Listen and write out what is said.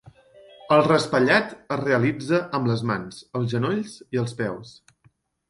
El raspallat es realitza amb les mans, els genolls i els peus.